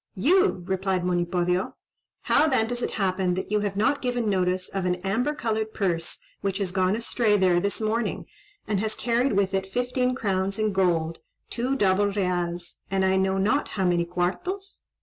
"You!" replied Monipodio. "How then does it happen that you have not given notice of an amber coloured purse which has gone astray there this morning, and has carried with it fifteen crowns in gold, two double reals, and I know not how many quartos?"